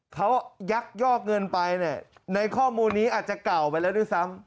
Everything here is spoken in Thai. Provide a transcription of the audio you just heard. เขายักยอกเงินไปเนี่ยในข้อมูลนี้อาจจะเก่าไปแล้วด้วยซ้ำ